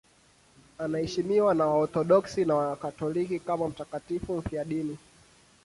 Anaheshimiwa na Waorthodoksi na Wakatoliki kama mtakatifu mfiadini.